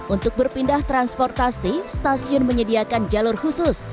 untuk berpindah transportasi stasiun menyediakan jalur khusus